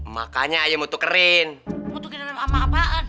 makanya aja mau tukerin